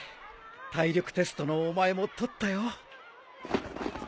体力テストのお前も撮ったよ。